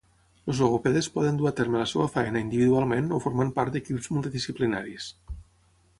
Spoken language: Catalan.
Els logopedes poden dur a terme la seva feina individualment o formant part d’equips multidisciplinaris.